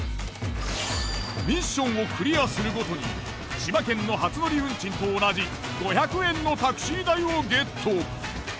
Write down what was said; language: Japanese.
ミッションをクリアするごとに千葉県の初乗り運賃と同じ５００円のタクシー代をゲット。